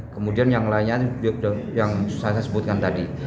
kemudian yang lainnya yang saya sebutkan tadi